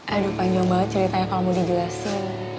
aduh panjang banget ceritanya kalau mau dijelasin